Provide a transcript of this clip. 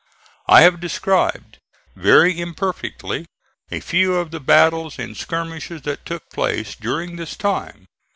I have described very imperfectly a few of the battles and skirmishes that took place during this time.